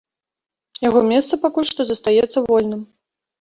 Яго месца пакуль што застаецца вольным.